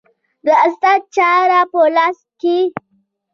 د استاد چاړه په لاس کې